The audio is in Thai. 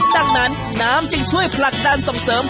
ดังนั้นน้ำจึงช่วยผลักดันส่งเสริม